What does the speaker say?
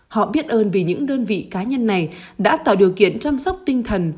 họ biết ơn vì những đơn vị cá nhân này đã tạo điều kiện chăm sóc tinh thần